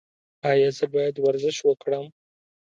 ایا زه باید ورزش وکړم؟